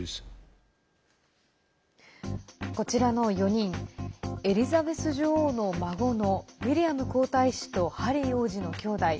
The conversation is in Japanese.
こちらの４人エリザベス女王の孫のウィリアム皇太子とハリー王子の兄弟。